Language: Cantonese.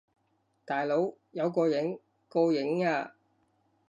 大佬，有個影！個影呀！